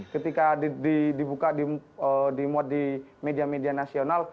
ketika dibuka dimuat di media media nasional